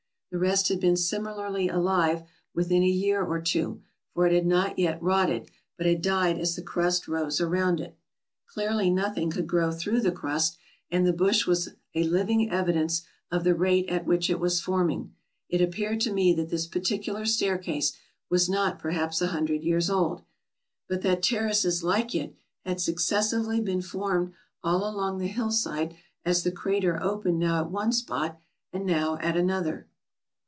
The rest had been sim ilarly alive within a year or two, for it had not yet rotted, but had died as the crust rose around it. Clearly nothing could grow through the crust, and the bush was a living evidence of the rate at which it was forming. It appeared to me that this particular staircase was not perhaps a hun dred years old, but that terraces like it had successively been formed all along the hillside as the crater opened now at one spot and now at another.